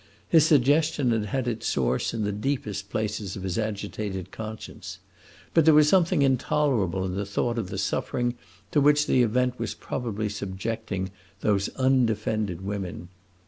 His suggestion had had its source in the deepest places of his agitated conscience; but there was something intolerable in the thought of the suffering to which the event was probably subjecting those undefended women.